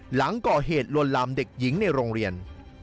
หลังก่อเหตุลวนลามเด็กหญิงในโรงเรียน